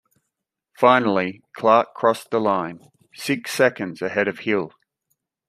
Finally, Clark crossed the line, six seconds ahead of Hill.